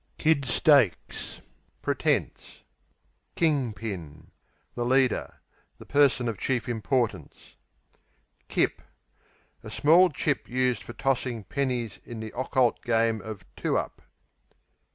Kid Stakes Pretence. King Pin The leader; the person of chief importance. Kip A small chip used for tossing pennies in the occult game of two up.